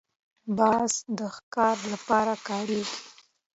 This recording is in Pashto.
باز د ښکار لپاره کارېږي